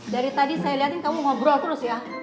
dari tadi saya lihatin kamu ngobrol terus ya